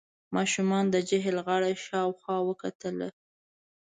ماشومانو د جهيل غاړه شاوخوا وکتله.